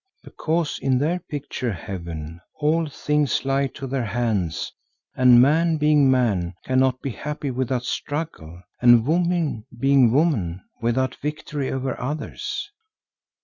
"Because in their pictured heaven all things lie to their hands and man, being man, cannot be happy without struggle, and woman, being woman, without victory over others.